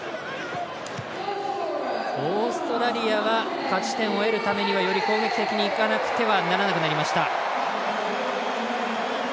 オーストラリアは勝ち点を得るためにはより攻撃的にいかなくてはならなくなりました。